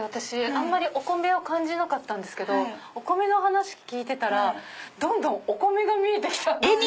あまりお米を感じなかったけどお米の話聞いてたらどんどんお米が見えて来たんですよね。